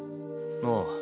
ああ。